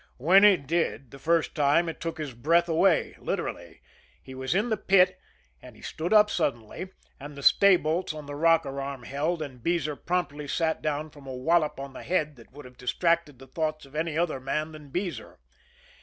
When it did the first time it took his breath away literally. He was in the pit, and he stood up suddenly and the staybolts on the rocker arm held, and Beezer promptly sat down from a wallop on the head that would have distracted the thoughts of any other man than Beezer.